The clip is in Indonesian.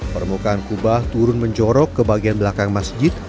permukaan kubah turun menjorok ke bagian belakang masjid